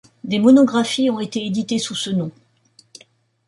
Des monographies ont été éditées sous ce nom.